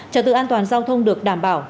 trật tự an toàn giao thông được đảm bảo